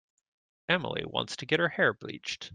Emily wants to get her hair bleached.